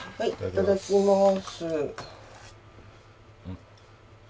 いただきます。